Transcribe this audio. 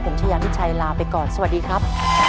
ผมชายามิชัยลาไปก่อนสวัสดีครับ